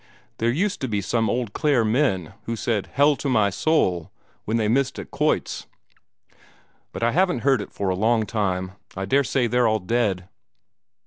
There used to be some old Clare men who said 'Hell to my soul!' when they missed at quoits, but I haven't heard it for a long time. I daresay they're all dead."